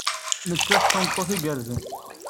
Nettat d tameṭṭut igerrzen.